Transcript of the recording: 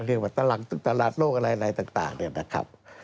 เรียกว่าตะลังตุ๊กตะลัดโลกอะไรต่างเนี่ยนะครับ